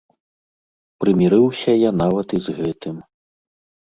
Прымірыўся я нават і з гэтым.